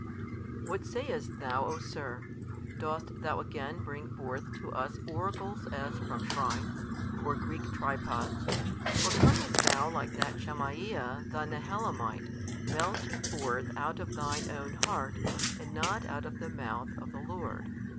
What sayest thou, o sir? Dost thou again bring forth to us oracles as from shrines, or Greek tripods, or comest thou like that Shemaiah the Nehelamite, belching forth out of thine own heart, and not out of the mouth of the Lord?